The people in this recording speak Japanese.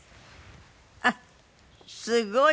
あっすごい。